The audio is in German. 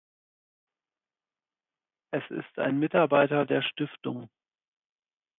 Es ist ein Mitarbeiter der Stiftung.